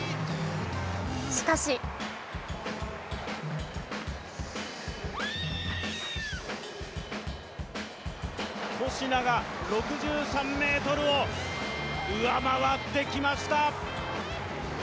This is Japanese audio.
しかしコシナが６３ｍを上回ってきました。